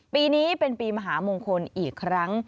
ปีนี้เป็นปีมหามงคลอีกครั้ง